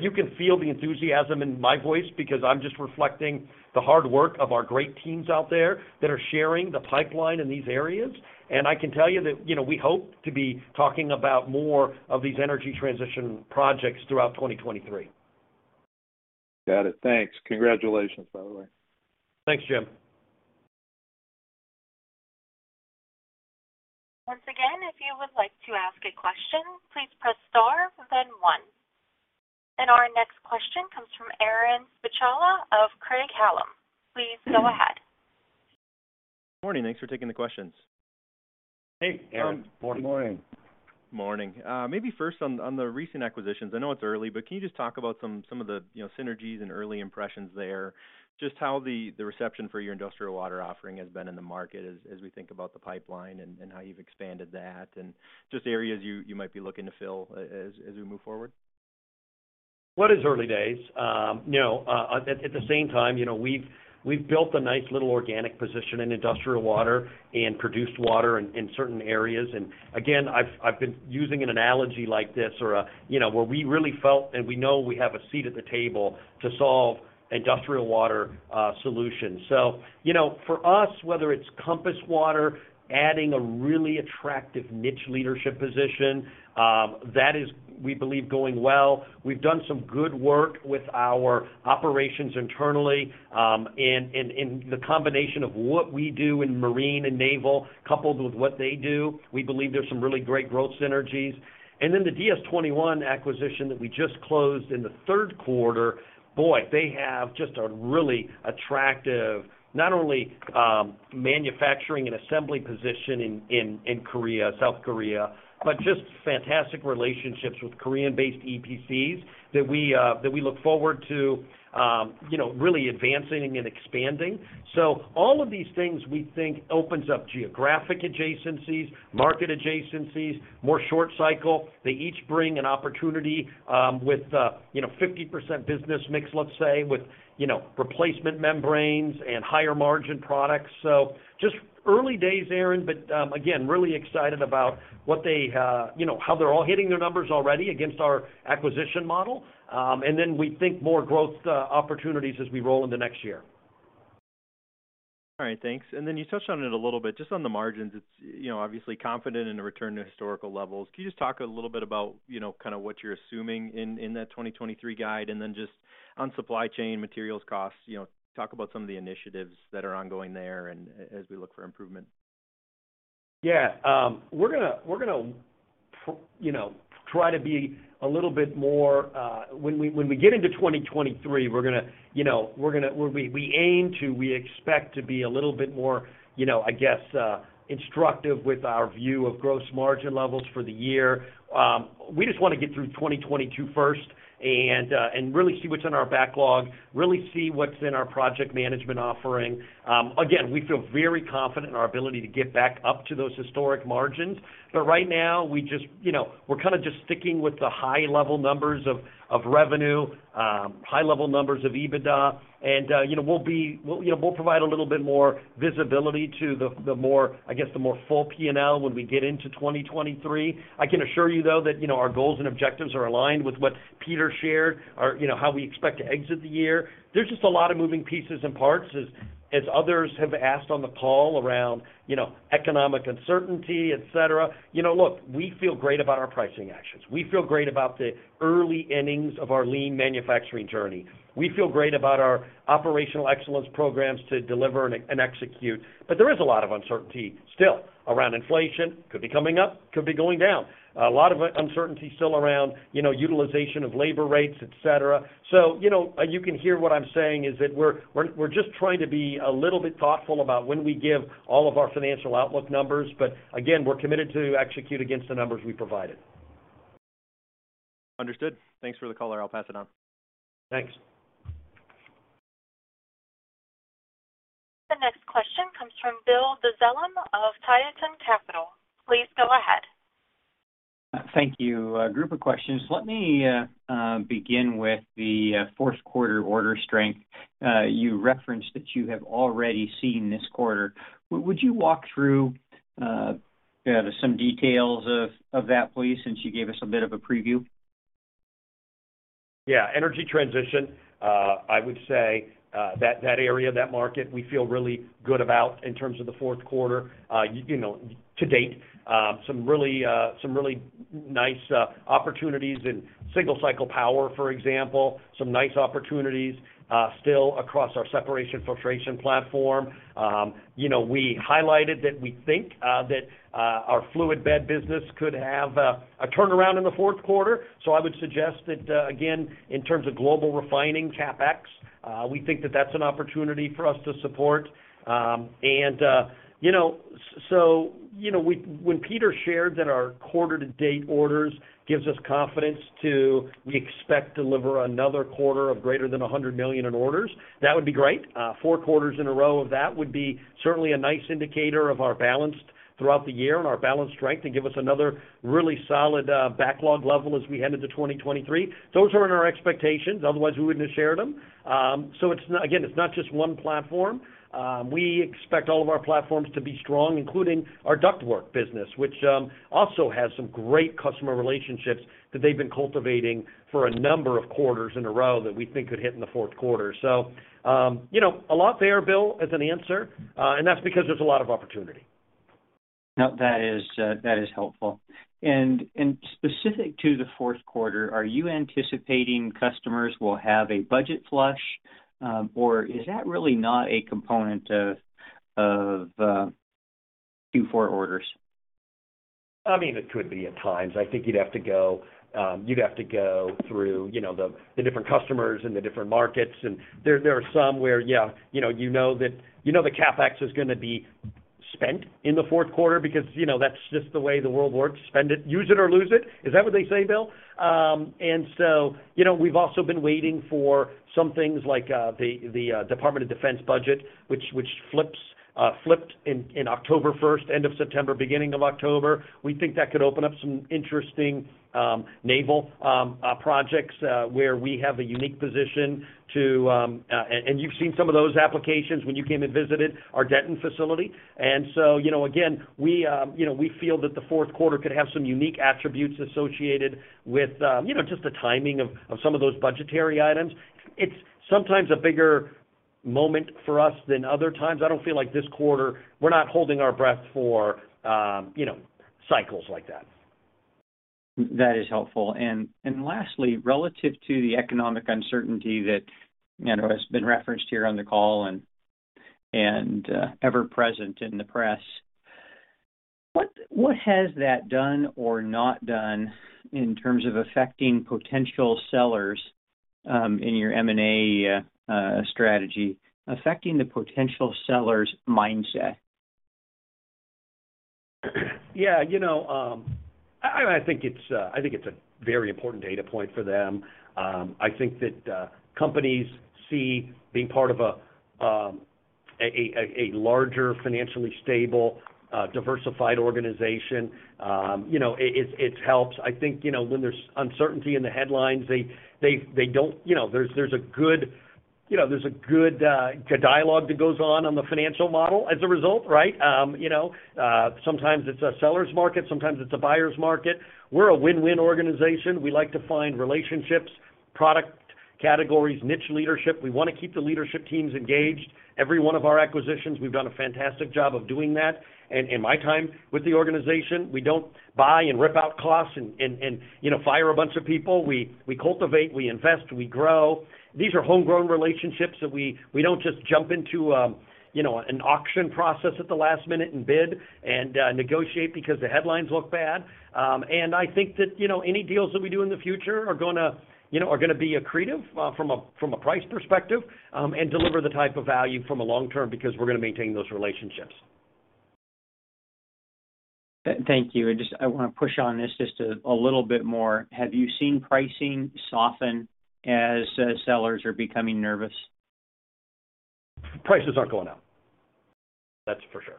You can feel the enthusiasm in my voice because I'm just reflecting the hard work of our great teams out there that are sharing the pipeline in these areas. I can tell you that we hope to be talking about more of these energy transition projects throughout 2023. Got it. Thanks. Congratulations, by the way. Thanks, Jim. Once again, if you would like to ask a question, please press star, then one. Our next question comes from Aaron Spychalla of Craig-Hallum. Please go ahead. Morning. Thanks for taking the questions. Hey, Aaron. Morning. Morning. Maybe first on the recent acquisitions. I know it's early, but can you just talk about some of the, synergies and early impressions there? Just how the reception for your industrial water offering has been in the market as we think about the pipeline and how you've expanded that, and just areas you might be looking to fill as we move forward? Well, it is early days. At the same time, we've built a nice little organic position in industrial water and produced water in certain areas. Again, I've been using an analogy like this, where we really felt and we know we have a seat at the table to solve industrial water solutions. For us, whether it's Compass Water adding a really attractive niche leadership position, that is, we believe, going well. We've done some good work with our operations internally, in the combination of what we do in marine and naval, coupled with what they do. We believe there's some really great growth synergies. The DS21 acquisition that we just closed in Q3, boy, they have just a really attractive, not only manufacturing and assembly position in South Korea, but just fantastic relationships with Korean-based EPCs that we look forward to really advancing and expanding. All of these things we think opens up geographic adjacencies, market adjacencies, more short cycle. They each bring an opportunity with, 50% business mix, let's say, with replacement membranes and higher margin products. Just early days, Aaron, but again, really excited about how they're all hitting their numbers already against our acquisition model. We think more growth opportunities as we roll into next year. All right, thanks. You touched on it a little bit, just on the margins. It's obviously confident in the return to historical levels. Can you just talk a little bit about what you're assuming in that 2023 guide? Just on supply chain materials costs, talk about some of the initiatives that are ongoing there and as we look for improvement. Yes. We're going to try to be a little bit more. When we get into 2023, we aim to, we expect to be a little bit more instructive with our view of gross margin levels for the year. We just want to get through 2022 first and really see what's in our backlog, really see what's in our project management offering. Again, we feel very confident in our ability to get back up to those historic margins. Right now, we're just sticking with the high level numbers of revenue, high level numbers of EBITDA, and we'll provide a little bit more visibility to the more full P&L when we get into 2023. I can assure you though, that our goals and objectives are aligned with what Peter shared, or how we expect to exit the year. There's just a lot of moving pieces and parts as others have asked on the call around, economic uncertainty, etc.. Look, we feel great about our pricing actions. We feel great about the early innings of our lean manufacturing journey. We feel great about our operational excellence programs to deliver and execute. There is a lot of uncertainty still around inflation, could be coming up, could be going down. A lot of uncertainty still around utilization of labor rates, etc.. You can hear what I'm saying is that we're just trying to be a little bit thoughtful about when we give all of our financial outlook numbers. Again, we're committed to execute against the numbers we provided. Understood. Thanks for the color. I'll pass it on. Thanks. The next question comes from Bill Dezellem of Tieton Capital. Please go ahead. Thank you. A group of questions. Let me begin with Q4 order strength. You referenced that you have already seen this quarter. Would you walk through some details of that, please, since you gave us a bit of a preview? Yes. Energy transition, I would say, that area, that market, we feel really good about in terms of Q4. To date, some really nice opportunities in simple cycle power, for example. Some nice opportunities still across our separation filtration platform. We highlighted that we think that our fluid bed business could have a turnaround in Q4. I would suggest that again, in terms of global refining CapEx, we think that that's an opportunity for us to support. When Peter shared that our quarter-to-date orders gives us confidence that we expect to deliver another quarter of greater than $100 million in orders, that would be great. Four quarters in a row of that would be certainly a nice indicator of our balance throughout the year and our balance strength to give us another really solid backlog level as we head into 2023. Those are in our expectations, otherwise we wouldn't have shared them. It's not just one platform. We expect all of our platforms to be strong, including our ductwork business, which also has some great customer relationships that they've been cultivating for a number of quarters in a row that we think could hit in Q4. A lot there, Bill, as an answer, and that's because there's a lot of opportunity. That is helpful. Specific to Q4, are you anticipating customers will have a budget flush, or is that really not a component of Q4 orders? It could be at times. I think you'd have to go through the different customers and the different markets. There are some where you know that the CapEx is going to be spent in Q4 because that's just the way the world works. Spend it. Use it or lose it. Is that what they say, Bill? We've also been waiting for some things like the Department of Defense budget, which flipped in October first, end of September, beginning of October. We think that could open up some interesting naval projects where we have a unique position and you've seen some of those applications when you came and visited our Denton facility. Again, we feel that Q4 could have some unique attributes associated with just the timing of some of those budgetary items. It's sometimes a bigger moment for us than other times. I don't feel like this quarter we're not holding our breath for cycles like that. That is helpful. Lastly, relative to the economic uncertainty that has been referenced here on the call, and ever present in the press, what has that done or not done in terms of affecting potential sellers in your M&A strategy affecting the potential sellers' mindset? Yes. I think it's a very important data point for them. I think that companies see being part of a larger, financially stable, diversified organization, it helps. I think, when there's uncertainty in the headlines, there's a good dialogue that goes on the financial model as a result. Sometimes it's a seller's market, sometimes it's a buyer's market. We're a win-win organization. We like to find relationships, product categories, and niche leadership. We want to keep the leadership teams engaged. Every one of our acquisitions, we've done a fantastic job of doing that. In my time with the organization, we don't buy and rip out costs and fire a bunch of people. We cultivate, we invest, we grow. These are homegrown relationships that we don't just jump into an auction process at the last minute and bid and negotiate because the headlines look bad. I think that any deals that we do in the future are going to be accretive from a price perspective and deliver the type of value from a long term because we're going to maintain those relationships. Thank you. I just want to push on this just a little bit more. Have you seen pricing soften as sellers are becoming nervous? Prices aren't going up, that's for sure.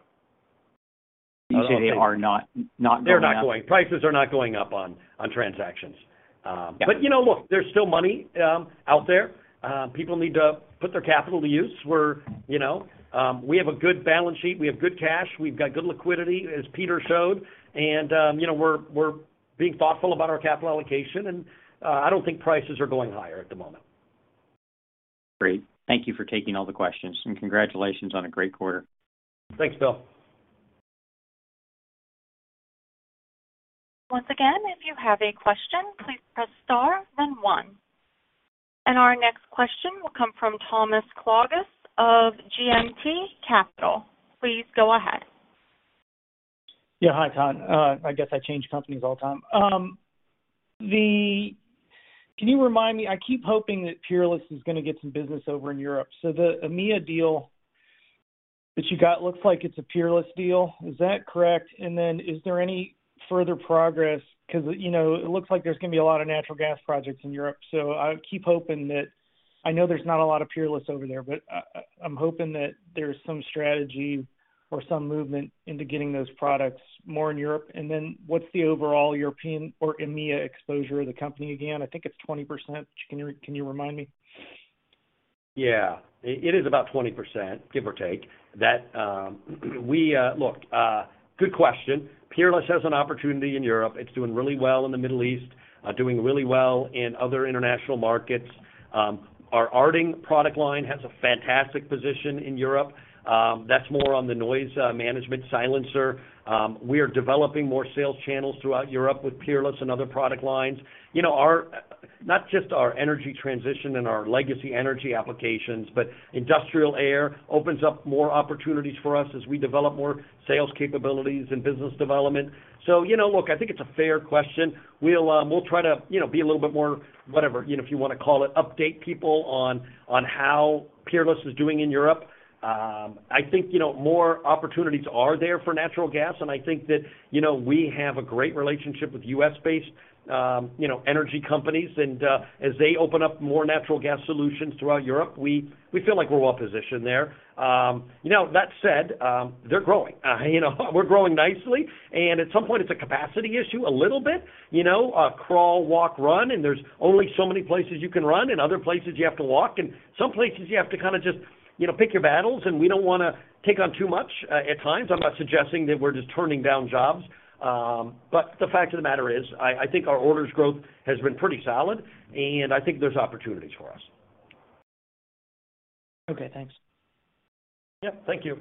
You say they are not going up? Prices are not going up on transactions. Look, there's still money out there. People need to put their capital to use. We have a good balance sheet. We have good cash. We've got good liquidity, as Peter showed. we're being thoughtful about our capital allocation. I don't think prices are going higher at the moment. Great. Thank you for taking all the questions, and congratulations on a great quarter. Thanks, Bill. Once again, if you have a question, please press star then one. Our next question will come from Thomas Claugus of GMT Capital. Please go ahead. Yes. Hi, Todd. I guess I change companies all the time. Can you remind me? I keep hoping that Peerless is going to get some business over in Europe. The EMEA deal that you got looks like it's a Peerless deal. Is that correct? Is there any further progress? It looks like there's going to be a lot of natural gas projects in Europe, so I keep hoping that... I know there's not a lot of Peerless over there, but I'm hoping that there's some strategy or some movement into getting those products more in Europe. What's the overall European or EMEA exposure of the company again? I think it's 20%. Can you remind me? Yes. It is about 20%, give or take. Look, good question. Peerless has an opportunity in Europe. It's doing really well in the Middle East, doing really well in other international markets. Our Aarding product line has a fantastic position in Europe. That's more on the noise management silencer. We are developing more sales channels throughout Europe with Peerless and other product lines. Not just our energy transition and our legacy energy applications, but industrial air opens up more opportunities for us as we develop more sales capabilities and business development. Look, I think it's a fair question. We'll try to be a little bit more, whatever, if you want to call it, update people on how Peerless is doing in Europe. I think more opportunities are there for natural gas, and I think that we have a great relationship with U.S.-based, energy companies. As they open up more natural gas solutions throughout Europe, we feel like we're well-positioned there. That said, they're growing. We're growing nicely, and at some point it's a capacity issue a little bit. Crawl, walk, run, and there's only so many places you can run and other places you have to walk. Some places you have to just pick your battles, and we don't want to take on too much, at times. I'm not suggesting that we're just turning down jobs. The fact of the matter is, I think our orders growth has been pretty solid, and I think there's opportunities for us. Okay, thanks. Yes, thank you.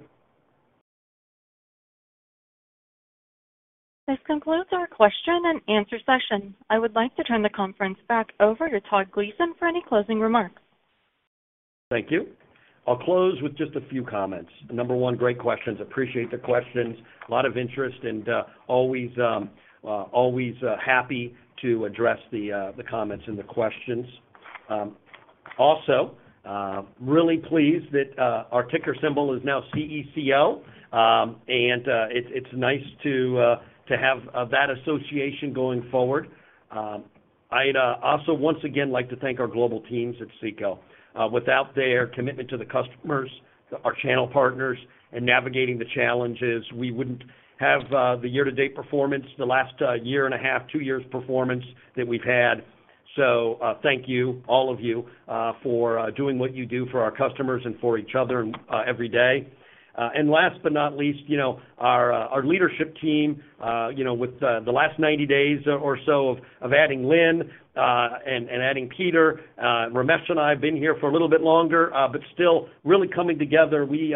This concludes our question and answer session. I would like to turn the conference back over to Todd Gleason for any closing remarks. Thank you. I'll close with just a few comments. Number one, great questions. Appreciate the questions. A lot of interest and always happy to address the comments and the questions. Also, really pleased that our ticker symbol is now CECO. It's nice to have that association going forward. I'd also once again like to thank our global teams at CECO. Without their commitment to the customers, our channel partners, and navigating the challenges, we wouldn't have the year-to-date performance the last year and a half, two years performance that we've had. Thank you, all of you, for doing what you do for our customers and for each other every day. Last but not least, our leadership team, with the last 90 days or so of adding Lynn and adding Peter. Ramesh and I have been here for a little bit longer, but still really coming together. We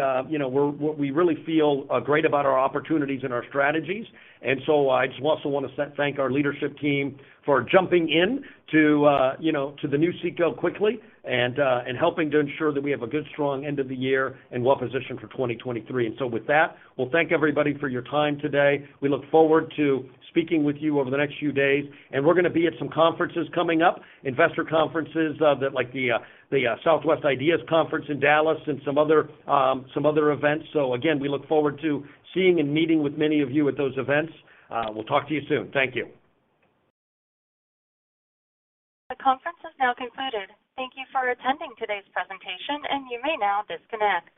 really feel great about our opportunities and our strategies. I just also want to thank our leadership team for jumping in to to the new CECO quickly and helping to ensure that we have a good strong end of the year and well-positioned for 2023. With that, well, thank everybody for your time today. We look forward to speaking with you over the next few days. We're going to be at some conferences coming up, investor conferences, like the Southwest IDEAS Conference in Dallas and some other events. We look forward to seeing and meeting with many of you at those events. We'll talk to you soon. Thank you. The conference has now concluded. Thank you for attending today's presentation, and you may now disconnect.